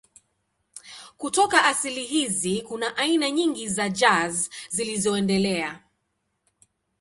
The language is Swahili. Kutoka asili hizi kuna aina nyingi za jazz zilizoendelea.